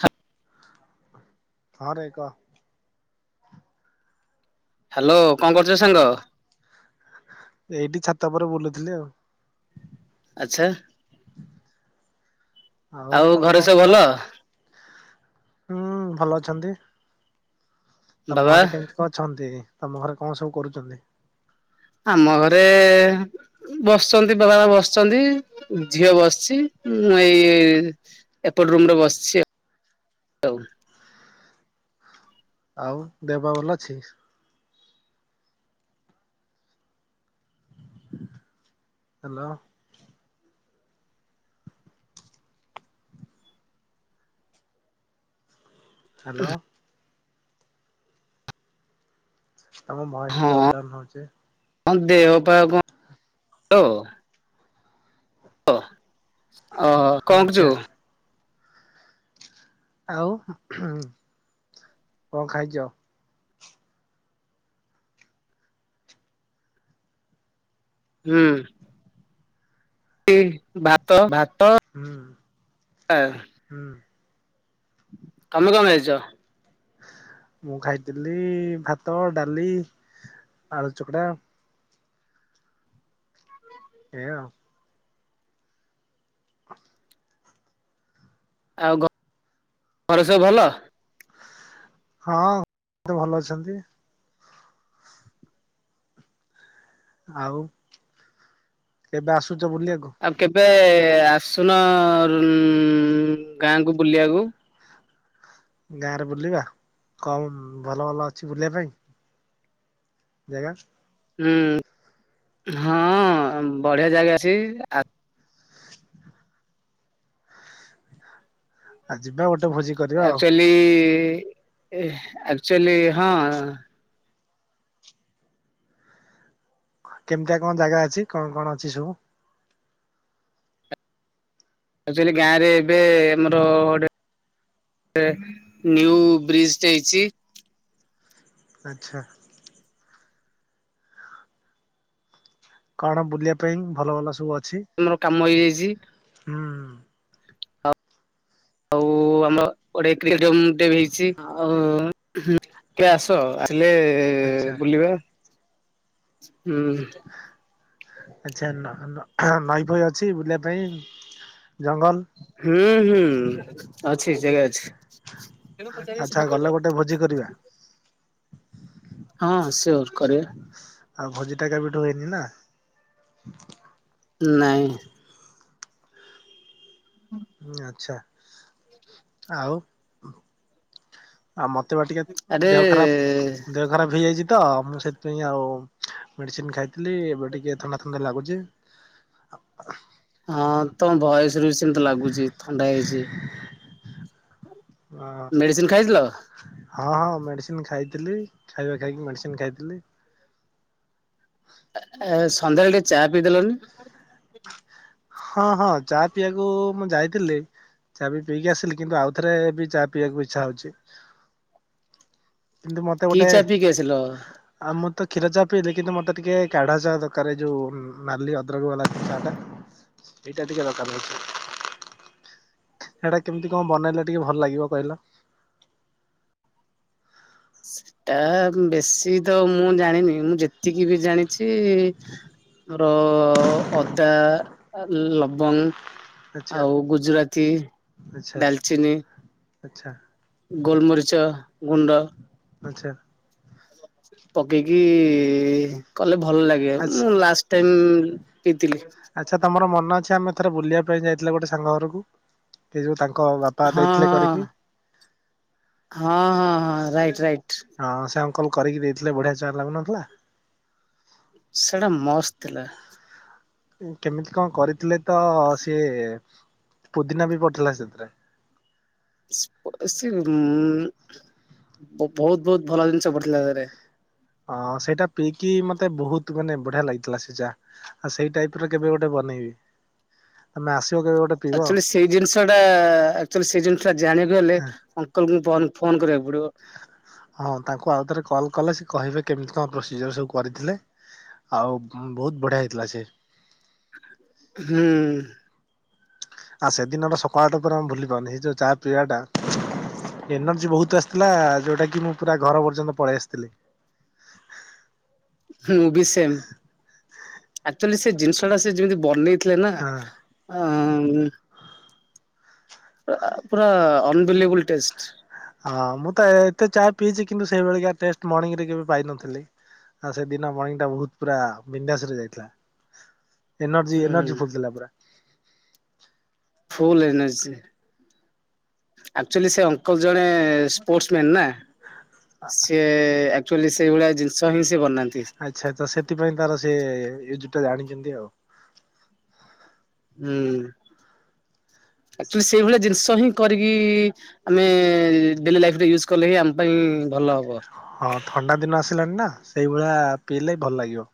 ହଁ ହଁରେ କହ୍ ହ୍ୟାଲୋ କଣ କରୁଛ ସାଙ୍ଗ। ଏଇଠି ଛାତ ପରେ ବୁଲୁଥିଲି ଆଉ। ଆଚଛା ଆଉ ତମେ କଣ ଘରେ ସବୁ କରୁଛ? ଭଲ। ହୁଁ ଭଲ ଅଛନ୍ତି ତମ ବାବା ଘରେ କେମିତି? ଅଛନ୍ତି ତମ ଘରେ କଣ ସବୁ କରୁଛନ୍ତି। ଆମ ଘରେ ବସିଛନ୍ତି ବାବା ବସିଛନ୍ତି ଝିଅ ବସିଛି ମୁଁ ଏଇ ଏପଟ ରୁମ ରେ ବସିଛି ଆଉ ଆଉ ଦେହ ପା ଭଲ ଅଛି। ହ୍ୟାଲୋ ହ୍ୟାଲୋ ତମ ବୟସ ଟିକେ ଅପଡାଉନ ହଉଛି। ହଁ ଦେହ ପା [unintelligible] ଓ କଣ ଆଚ୍ଛା କରୁଛୁ? ଆଉ କଣ ଖାଇଛ? ହୁଁ ଭାତ ଭାତ। ହୁଁ ହୁଁ ତମେ କଣ ଖାଇଛ? ମୁଁ ଖାଇଥିଲି ଭାତ, ଡାଲି, ଆଳୁ ଚକଡା। ଏଇଆ ଆଉ। ଆଉ ଘ ରେ ସବୁ ଭଲ? ହଁ [unintelligible] ଭଲ ଅଛନ୍ତି। ଆଉ କେବେ ଆସୁଚ ବୁଲିବାକୁ? ଆଉ କେବେ ଆସୁନ ଉଁ ଗାଁକୁ ବୁଲିବାକୁ? ଗାଁରେ ବୁଲିବା କମ୍ ଭଲ ଭଲ ଅଛି ବୁଲିବା ପାଇଁ? ଜାଗା। ଉମ୍ ହଁ ବଢିଆ ଜାଗା ଅଛି ଆ ଆ ଯିବା ଗୋଟେ ଭୋଜି କରିବା ଆଉ ଆକ୍ଚୁଆଲି ଏ ଆକ୍ଚୁଆଲି ହଁ। କେମ୍ତିଆ କଁ ଜାଗା ଅଛି କଣ କଣ ଅଛି ସବୁ? ଆକ୍ଚୁଆଲି ଗାଁରେ ଏବେ ଆମର ଗୋଟେ ଏ ନିନ୍ୟୁ ବ୍ରିଜ଼ ଟେ ହେଇଚି। ଆଚ୍ଛା। କଣ ବୁଲିଆ ପାଇଁ ଭଲ ଭଲ ସବୁ ଅଛି? ଆମର କାମ ହେଇଯାଇଚି। ହୁଁ। ଆଉ ଆମ ଗୋଟେ [unintelligible] ଟେ ହେଇଚି ଆଉ ହୁଁ କେ ଆସ ଆସିଲେ ଆଚ୍ଛା ବୁଲିବା ହୁଁ। ଆଛା ନ ନ ନଈ ଫଇ ଅଛି ବୁଲିବା ପାଇଁ? ଜଙ୍ଗଲ୍ ହୁଁ ହୁଁ ଅଛି ଜାଗା ଆଚ୍ଛା ଅଛି। ଗଲେ ଗୋଟେ ଭୋଜି କରିବା। ହଁ ସିଓର କରିବା। ଆଉ ଭୋଜିଟା କେବେଠୁ ହେଇନି ନା। ନାଇଁ। ଉଁ ଆଛା ଆଉ ଆଉ ମତେ ବା ଟିକେ ଆରେ ଦେହ ଖରାପ୍ ଦେହ ଖରାପ ହେଇଯାଇଚି ତ ମୁଁ ସେଥିପାଇଁ ଆଉ ମେଡ଼ିସିନ୍ ଖାଇଥିଲି ଏବେ ଟିକେ ଥଣ୍ଡା ଥଣ୍ଡା ଲାଗୁଚି। ହଁ ତମ ଭଏସ୍ ରୁ ସେମତି ଲାଗୁଚି ଥଣ୍ଡା ହେଇଚି। ମେଡ଼ିସିନ୍ ଖାଇଥିଲ? ହଁ ହଁ ମେଡ଼ିସିନ୍ ଖାଇଥିଲି ଖାଇବା ଖାଇକି ମେଡ଼ିସିନ୍ ଖାଇଥିଲି। ଏ ଏ ସନ୍ଧ୍ୟାବେଳେ ଟିକେ ଚା ପିଇଦେଲନି। ହଁ ହଁ ଚା ପିଇବାକୁ ମୁଁ ଯାଇତିଲେ ଚା ବି ପିଇକି ଆସିଲି କିନ୍ତୁ ଆଉଥରେ ବି ଚା ପିଇବାକୁ ଇଚ୍ଛା ହଉଚି। କିନ୍ତୁ ମତେ କି ଗୋଟେ ଚା ପିଇକି ଆସିଲ ଆଉ ମୁଁ ତ କ୍ଷୀର ଚା ପିଇଲି କିନ୍ତୁ ମତେ ଟିକେ କାଢା ଚା ଦରକାରେ ଏଇ ଯୋଉ ଉମ୍ ନାଲି ଅଦ୍ରକ୍ ବାଲା ଚା ଟା। ଏଇଟା ଟିକେ ଦରକାର ହୋଉଚି। ହେଟା କେମିତି କଣ ବନେଇଲେ ଟିକେ ଭଲ ଲାଗିବ କଇଲ? ସେଟା ବେଶୀ ତ ମୁଁ ଜାଣିନି ମୁଁ ଯେତିକି ବି ଜାଣିଚି ର ଅଦା ଆ ଲବଙ୍ଗ୍ ଆଚ୍ଛା ଆଚ୍ଛା ଆଉ ଗୁଜୁରାତି, ଡାଲଚିନି ଆଛା। ଗୋଲମରିଚ ଗୁଣ୍ଡ। ଆଛା। ପକେଇକି କଲେ ଭଲ ଲାଗେ ଆଚ୍ଛା ମୁଁ ଲାଷ୍ଟ ଟାଇମ୍ ପିଇଥିଲି। ଆଚ୍ଛା ତମର ମନ ଅଛି ଆମେ ଥରେ ବୁଲିବା ପାଇଁ ଯାଇଥିଲେ ଗୋଟେ ସାଙ୍ଗ ଘରକୁ କି ଯୋଉ ତାଙ୍କ୍ କ ବାପା ହଁ ହଁ ଦେଇଥିଲେ କରିକି। ହଁ ହଁ ହଁ ରାଇଟ୍ ରାଇଟ୍। ହଁ ସେ ଅଙ୍କଲ କରିକି ଦେଇଥିଲେ ବଢିଆ ଚା ଲାଗୁନଥିଲା? ସେଟା ମସ୍ତ ଥିଲା। କେମିତି କଣ କରିଥିଲେ ତ ସିଏ ପୁଦିନା ବି ପଠଥିଲା ସେଥିରେ। ସେ ପ୍ ସି ଉଁ ବହୁତ ବହୁତ ଭଲ ଜିନିଷ ପଢଥିଲା ଟା ଦେହରେ। ଅଁ ସେଇଟା ପିଇକି ମତେ ବହୁତ ମାନେ ବଢିଆ ଲାଗିଥିଲା ସେ ଚା। ଆ ସେଇ ଟାଇପ୍ ର କେବେ ଗୋଟେ ବନେଇବି ଆମେ ଆସିବ କେବେ ଗୋଟେ ପିଇବ। ଆଚୁଆଲି ସେଇ ଜିନିଷ ଟା ଆଚୁଆଲି ସେଇ ଜିନିଷ ଟା ଜାଣିଆକୁ ହେଲେ ଅଙ୍କଲ କୁ ଫନ୍ ଫୋନ୍ କରିବାକୁ ପଡ଼ିବ। ହଁ ତାଙ୍କୁ ଆଉ ଥରେ କଲ୍ କଲେ ସେ କହିବେ କେମିତି କଣ ପ୍ରୋସିଜର ସବୁ କରିଥିଲେ। ଆଉ ଭୁ ବହୁତ ବଢିଆ ହେଇଥିଲା ସେ ହୁଁ। ଆ ସେ ଦିନର ସକାଳ ଟା ପୂରା ଆମେ ଭୁଲି ପାରୁନି ଏଇ ଯୋଉ ଚା ପିଆ ଟା। ଏନର୍ଜି ବହୁତ ଆସିଥିଲା ଯୋଉଟା କି ମୁଁ ପୁରା ଘର ପର୍ଯ୍ୟନ୍ତ ପଳେଇ ଆସିଥିଲି। ମୁଁ ବି ସେମ୍ ଆକ୍ଚୁଆଲି ସେ ଜିନିଷ ଟା ସେ ଯେମିତି ବନେଇ ଥିଲା ନା ହଁ। ଆଁ ରା ଆ ପୁରା ଅନବିଲବଲ ଟେଷ୍ଟ। ହଁ ମୁଁ ତ ଏତେ ଚା ପିଇଛି କିନ୍ତୁ ସେଇଭଳି କା ଟେଷ୍ଟ ମର୍ଣିଂ ରେ କେବେ ପାଇନଥିଲି। ଆଉ ସେଦିନ ମର୍ଣ୍ଣିଙ୍ଗ ଟା ବହୁତ ପୁରା ବିନ୍ଦାସ ରେ ଯାଇଥିଲା। ଏନର୍ଜି ହୁଁ ଏନର୍ଜି ଫୁଲଥିଲା ପୁରା। Full energy. ଆକ୍ଚୁଆଲି ସେ ଅଙ୍କଲ ଜଣେ ସ୍ପୋର୍ଟସ ମ୍ୟାନ୍ ନା। ସିଏ ଆକ୍ଚୁଆଲି ସେଇଭଳିଆ ଜିନିଷ ହିଁ ସିଏ ବନାନ୍ତି। ଆଚ୍ଛା ତ ସେଥିପାଇଁ ତାର ସେ ୟୁଜୁ ଟା ଜାଣିଛନ୍ତି ଆଉ। ହୁଁ ଆଚୁଆଲି ସେଇଭଳିଆ ଜିନିଷ ହିଁ କରିକି ଆମେ ଡେଲି ଲାଇଫରେ ୟୁଜ କଲେ ହିଁ ଆମ ପାଇଁ ଭଲ ହବ। ହଁ ଥଣ୍ଡା ଦିନ ଆସିଲାଣି ନା ସେଇଭଳିଆ ପିଇଲେ ଭଲ ଲାଗିବ।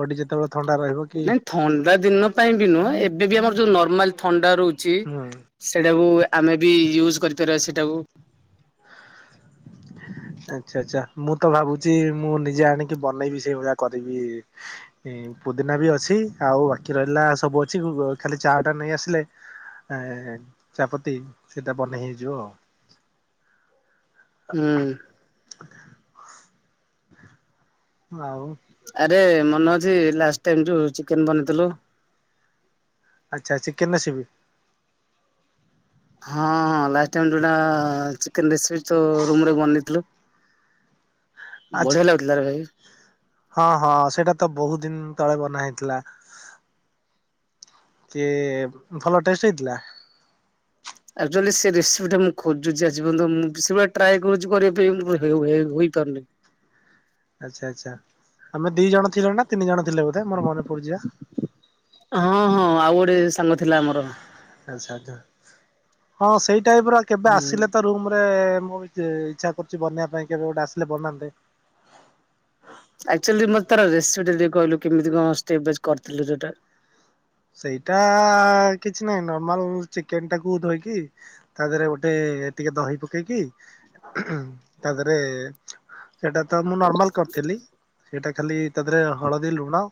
ବଡି ଯେତେବେଳେ ଥଣ୍ଡା ରହିବ କି ନାଇଁ ଥଣ୍ଡା ଦିନ ପାଇଁ ବି ନୁହଁ ଏବେ ବି ଆମର ଯୋଉ ନର୍ମାଲ ଥଣ୍ଡା ରହୁଚି ହୁଁ ସେଇଟାକୁ ଆମେ ବି ୟୁଜ କରିପାରିବା ସେଟାକୁ। ଆଚ୍ଛା ଆଛା ମୁଁ ତ ଭାବୁଛି ମୁଁ ନିଜେ ଆଣିକି ବନେଇବି ସେଇଭଳିଆ କରିବି। ଏ ପୁଦିନା ବି ଅଛି ଆଉ ବାକି ରହିଲା ସବୁ ଅଛି ବୁ ବୁ ଖାଲି ଚା ଟା ନେଇ ଆସିଲେ ଏ ଚାପତି ସେଇଟା ବନେଇ ହେଇଯିବ ଆଉ। ହୁଁ। ଆଉ। ଆରେ ମନେ ଅଛି ଲାଷ୍ଟ ଟାଇ ଯୋଉ ଚିକେନ ବନେଥିଲୁ। ଆଚ୍ଛା ଚିକେନ ସିବି ହଁ ଲାଷ୍ଟ ଟାଇ ଯୋଉଟା ଚିକେନ ରେସିପି ତୋ ରୁମ ରେ ବନେଇଥିଲୁ। ଆଚ୍ଛା ବଢେଆ ଲାଗୁ ଥିଲାରେ ଭାଇ। ହଁ ହଁ ସେଇଟା ତ ବହୁତ ଦିନ ତଳେ ବନା ହେଇଥିଲା। କିଏ ଭଲ ଟେଷ୍ଟ ହେଇଥିଲା। ଆଚୁଆଲି ସେ ରେସିପି ଟା ମୁଁ ଖୋଜୁଛି ଆଜି ପର୍ଯ୍ୟନ୍ତ ମୁଁ ସେଭଳିଆ ଟ୍ରାଏ କରୁଛି କରିବା ପାଇଁ ହୋଏ ହୋଏ ହେଇପାରୁନି। [inaudible] ଆଚ୍ଛା ଆଚ୍ଛା ଆମେ ଦି ଜଣ ଥିଲ ନା ତିନି ଜଣ ଥିଲେ ବୋଧେ ମୋର ମନେ ପଡୁଚି ଯା। ହଁ ହଁ ଆଉ ଗୋଟେ ସାଙ୍ଗ ଥିଲା ଆମର। ଆଛା ଆଛା ହଁ ସେଇ ଟାଇପ ର କେବେ ହୁଁ ଆସିଲେ ତ ରମରେ ମୁଁ ବି ଯେ ଇଚ୍ଛା କରୁଛି ବନେବା ପାଇଁ କେବେ ଗୋଟେ ଆସିଲେ ବନାନ୍ତେ। ଆକ୍ଚୁଆଲି ମ ତାର ରେସିପି ଟିକେ କହିଲୁ କେମିତି କଣ ଷ୍ଟେବ ବାଜ୍ କରିଥିଲୁ ଯୋଉଟା। ସେଇଟା କିଛି ନାହିଁ ନର୍ମାଲ ଚିକେନ ଟାକୁ ଧୋଇକି ତା ଦେହରେ ଗୋଟେ ଟିକେ ଦହି ପକେଇକି ତା ଦେହରେ ସେଟା ତ ମୁଁ ନର୍ମାଲ କରିଥେଲି ସେଟା ଖାଲି ତା ଦେହରେ ହଳଦୀ ଲୁଣ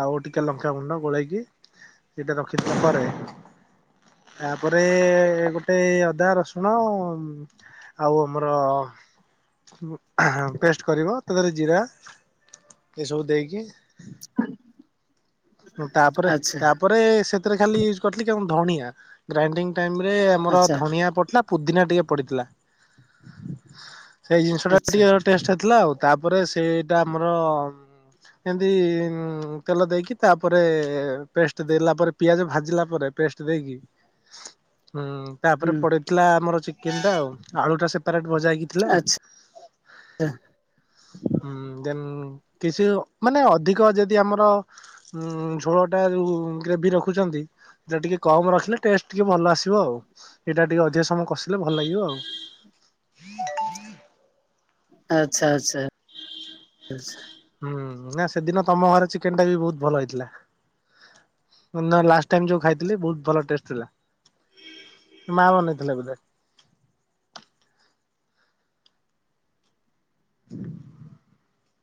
ଆଉ ଟିକେ ଲଙ୍କାଗୁଣ୍ଡ ଗୋଳେଇକି ଏଇଟା ରଖିଦେଲା ପରେ ତାପରେ ଗୋଟେ ଅଦା ରସୁଣ ଓଁ ଆଉ ଆମର ପେଷ୍ଟ କରିବ ତା ଦେହରେ ଜିରା ଏସବୁ ଦେଇକି ଓ ତାପରେ ଆଚ୍ଛା ତାପରେ ସେଥିରେ ଖାଲି ୟୁଜ କରିଥିଲି ଧଣିଆ। ଗ୍ରାଇଣ୍ଡିଙ୍ଗ ଟାଇମ ରେ ଆମର ଆଚ୍ଛା ଧଣିଆ ପଡିଥିଲା ପୁଦିନା ଟିକେ ପଡିଥିଲା। ସେଇ ଜିନିଷଟା ଆଚ୍ଛା ଟିକେ ଟେଷ୍ଟ ହେଇଥିଲା ଆଉ ତାପରେ ସେଇଟା ଆମର ଏମିତି ତେଲ ଦେଇକି ତାପରେ ପେଷ୍ଟ ଦେଲା ପରେ ପିଆଜ ଭାଜିଲା ପରେ ପେଷ୍ଟ ଦେଇକି ହୁଁ। ତାପରେ ହୁଁ ପଡିଥିଲା ଆମର ଚିକେନ ଟା ଆଉ ଆଳୁ ଟା ସେପାରେଟ ଭଜା ହେଇକି ଥିଲା ଆଚ୍ଛା [unintelligible] ହୁଁ ଦେନ୍ କିଛି ମାନେ ଅଧିକ ଯଦି ଆମର ଙ ଝୋଳଟା ଯୋଉ ଗ୍ରେଭି ରଖୁଛନ୍ତି ଏଇଟା ଟିକେ କମ ରଖିଲେ ଟେଷ୍ଟ ଟିକେ ଭଲ ଆସିବ ଆଉ। ଏଇଟା ଟିକେ ଅଧିକ ସମୟ କଷିଲେ ଭଲ ଲାଗିବ ଆଉ। ଆଚ୍ଛା ଆଚ୍ଛା ଆଚ୍ଛା। ହୁଁ ନା ସେଦିନ ତମ ଘରେ ଚିକେନ ଟା ବି ବହୁତ ଭଲ ହେଇଥିଲା। ମୁଁ ତମ ଲାଷ୍ଟ ଟାଇମ ଯୋଉ ଖାଇଥିଲି ବହୁତ ଭଲ ଟେଷ୍ଟ ଥିଲା। ମା ବନେଇ ଥିଲେ ବୋଧେ?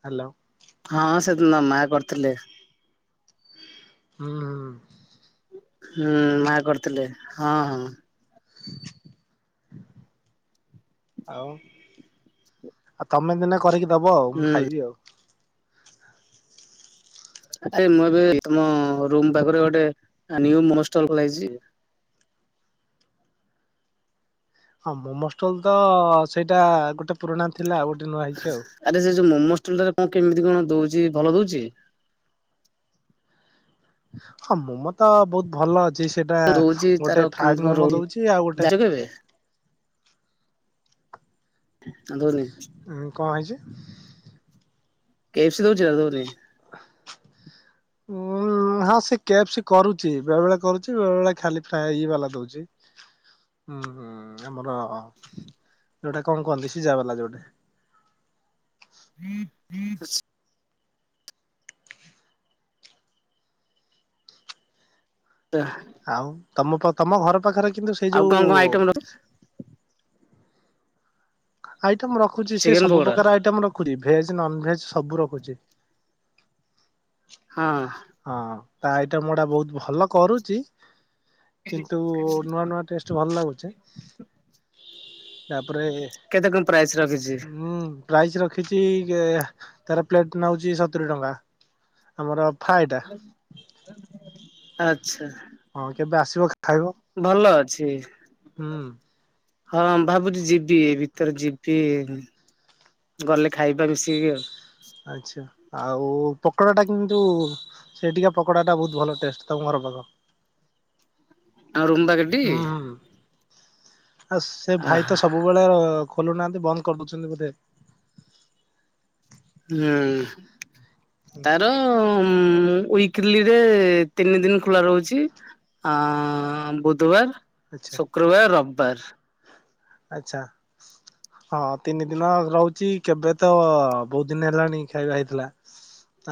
ହାଲୋ। ହଁ ସେଦିନ ମା କରିଥିଲେ। ହୁଁଁ। ହୁଁ ମା କରିଥିଲେ ହଁ ହଁ। ଆଉ। ଆଉ ତମେ ଦିନେ କରିକି ଦବ ଆଉ ମୁଁ ହୁଁ। ଖାଇବି ଆଉ। ଆ ମୁଁ ଏବେ ତମ ରୁମ୍ ପାଖରେ ଗୋଟେ ନିୟୁ ଷ୍ଟଲ ଖୋଲା ହେଇଛି। ହଁ ମୋମୋ ଷ୍ଟଲ ତ ସେଇଟା ଗୋଟେ ପୁରୁଣା ଥିଲା ଆଉ ଗୋଟେ ନୂଆ ହେଇଛି ଆଉ। ଆରେ ସେ ଯୋଉ ମୋମୋ ଷ୍ଟଲଟାରେ ରେ କଣ କେମିତି କଣ ଦଉଛି ଭଲ ଦଉଛି? ହଁ ମୋମୋ ତ ବହୁତ ଭଲ ଅଛି ସେଇଟା କଣ ଦଉଛି ତାର ଗୋଟେ କେମିତି ଫ୍ରାଇଡ କଣ ମୋମୋ ରହୁଛି ଦଉଛି ଆଉ ଗୋଟେ ଯାଇଛ କେବେ ଆ ଧନି ଉଁ କଣ ହେଇଛି? କେସ୍‌ ଦଉଛି ନା ଦଉନି? [unintelligible] ହଁ ସେ କେଫସି କରୁଛି ବେଳେ ବେଳେ କରୁଛି ବେଳେ ବେଳେ ଖାଲି ଫ୍ରାଇ ଏ ବାଲା ଦଉଛି। ହୁଁ ହୁଁ ଆମର ଯୋଉଟା କଣ କୁହନ୍ତି ସିଝା ବାଲା ଯୋଉଟା? [inaudible] [unintelligible] ଆଉ ତମ ପ ତମ ଘର ପାଖରେ କିନ୍ତୁ ସେଇ ଆଉ ଯୋଉ କଣ କଣ ଆଇଟମ ର ଆଇଟମ ରଖୁଛି ସେ ଚିକେନ୍ ସବୁ ପକୋଡା ପ୍ରକାର ଆଇଟମ ରଖୁଛି ଭେଜ ନନ ଭେଜ ସବୁ ରଖୁଛି। ହଁ। ହଁ ତା ଆଇଟମ ଗୁଡା ବହୁତ ଭଲ କରୁଛି କିନ୍ତୁ ନୂଆ ନୂଆ ଟେଷ୍ଟ ଭଲ ଲାଗୁଚି। ତାପରେ କେତେ କଣ ପ୍ରାଇସ୍ ରଖିଛି? ହୁଁ। ପ୍ରାଇସ୍ ରଖିଛି ଏ ତାର ପ୍ଲେଟ ନଉଛି ସତୁରି ଟଙ୍କା। ଆମର ଫାଏଡ ଆଚ୍ଛା। ହଁ କେବେ ଆସିବ? ଖାଇବ ଭଲ ଅଛି। ହୁଁ ହଁ ଭାବୁଛି ଯିବି ଏ ଭିତରେ ଯିବି ଉମ ଗଲେ ଖାଇବା ମିଶିକି ଆଉ। ଆଚ୍ଛା ଆଉ ପକୋଡ଼ା ଟା କିନ୍ତୁଉ ସେଇ ଟିକା ପକୋଡା ଟା ବହୁତ ଭଲ ଟେଷ୍ଟ ତମର ଘର। ଆମ ରୁମ ପାଖେ ଟେ କି? ହୁଁ ହୁଁ ଆଉ ସେ ଭାଇ ଆହା ତ ସବୁବେଳେ ଏ ଖୋଲୁନାହାନ୍ତି ବନ୍ଦ କରିଦେଉଛନ୍ତି ବୋଧେ ହୁଁ ତାର ହୁଁ ୱିକ୍ଲି ରେ ତିନି ଦିନ ଖୋଲା ରହୁଛି। ଆଁ- ଆଁ -ଆଁ- ବୁଧବାର ଆଚ୍ଛା ଶୁକ୍ରବାର ରବିବାର। ଆଛା। ହଁ ତିନି ଦିନ ରହୁଛି କେବେ ତ ଅ ବହୁତ ଦିନ ହେଲାଣି ଖାଇବା ହେଇଥିଲା।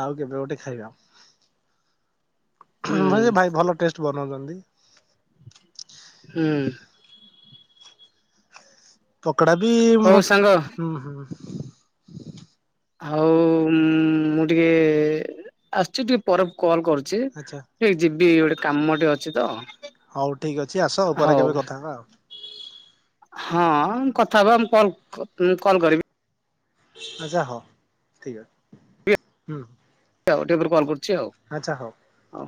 ଆଉ କେବେ ଗୋଟେ ଖାଇବା। [inaudible] ହଁ ସେ ଭାଇ ଭଲ ଟେଷ୍ଟ ବନଉଛନ୍ତି। ହୁଁ। ପକଡା ବି ହଉ ସାଙ୍ଗ ହୁଁ-ହୁଁ-ହୁଁ ହଉ ଉ ଉମ ମୁଁ ଟିକେ କେ ଆସିଛି ଟିକେ ପରେ କଲ କରୁଛି। ଆଚ୍ଛା ଟିକେ ଯିବି ଗୋଟେ କାମ ଟିକେ ଅଛି ତ। ହଉ ଠିକ୍ ଅଛି ଆସ ପରେ କେବେ କଥା ହବା ଆଉ। ହ କଥା ହେବା ମୁଁ କଲ ମୁଁ କଲ୍ କରିବି। ଆଚ୍ଛା ହଉ ଠିକ ଅଛି ହୁଁ। ହଉ ଟିକେ ପରେ କଲ୍ କରୁଛି ଆଉ। ଆଚ୍ଛା ହଉ। ହଉ